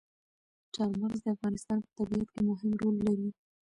چار مغز د افغانستان په طبیعت کې مهم رول لري.